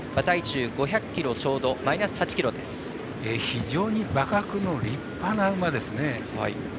非常に馬格の立派な馬ですね。